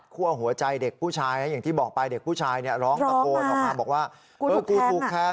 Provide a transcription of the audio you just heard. คั่วหัวใจเด็กผู้ชายอย่างที่บอกไปเด็กผู้ชายร้องตะโกนออกมาบอกว่า